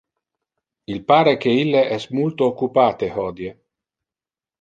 Il pare que ille es multo occupate hodie.